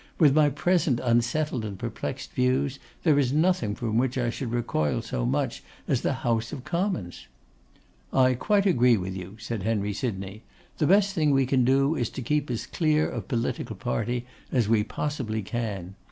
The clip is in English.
With my present unsettled and perplexed views, there is nothing from which I should recoil so much as the House of Commons.' 'I quite agree with you,' said Henry Sydney. 'The best thing we can do is to keep as clear of political party as we possibly can.